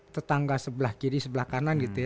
tetangga sebelah kiri sebelah kanan gitu ya